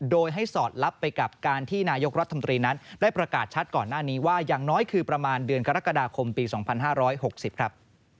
โดยให้สอดลับไปกับการที่นายกรัฐมนตรีนั้นได้ประกาศชัดก่อนหน้านี้ว่าอย่างน้อยคือประมาณเดือนกรกฎาคมปี๒๕๖๐ครับ